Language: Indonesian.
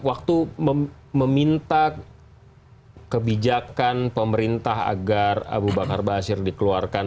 waktu meminta kebijakan pemerintah agar abu bakar basir dikeluarkan